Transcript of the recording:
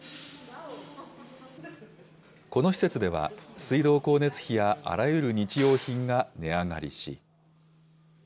この施設では、水道光熱費やあらゆる日用品が値上がりし。